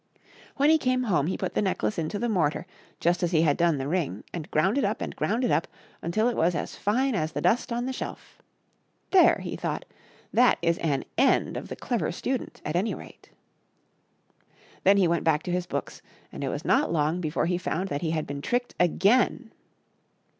When he came home he put the necklace into the mortar, just as he had done the ring, and ground it up and ground it up until it was as fine as the dust on the shelf. There ! he thought, that is an end of the Clever Student at any rate. Then he went back to his books, and it was not long before he found that he had been tricked again.